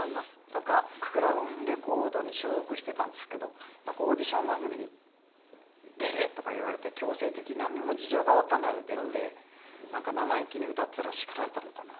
なんかクラウンレコードに所属していたんですけど「オーディション番組に出て」とか言われて強制的になんにも事情がわかんないのに出てなんか生意気に歌っていたら叱られたのかな。